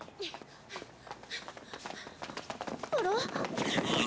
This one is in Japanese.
あら？